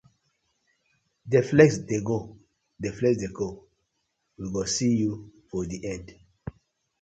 Dey flex dey go, dey flex dey go, we go see yu for di end.